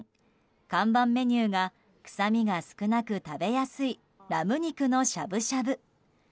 看板メニューが臭みが少なく食べやすいラム肉のしゃぶしゃぶ。